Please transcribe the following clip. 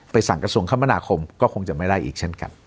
สั่งกระทรวงคมนาคมก็คงจะไม่ได้อีกเช่นกัน